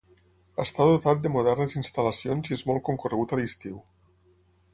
Està dotat de modernes instal·lacions i és molt concorregut a l'estiu.